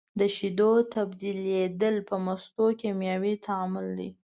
د شیدو تبدیلیدل په مستو کیمیاوي تعامل دی.